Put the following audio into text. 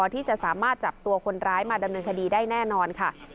ที่จะสามารถจับตัวคนร้ายมาดำเนินคดีได้แน่นอนค่ะ